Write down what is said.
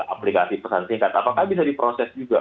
aplikasi pesan singkat apakah bisa diproses juga